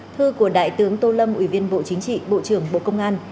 thư của đại tướng tô lâm ủy viên bộ chính trị bộ trưởng bộ công an